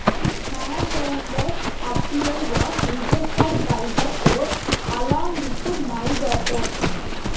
Mamboundou's appeal was rejected by the Court, along with Myboto's.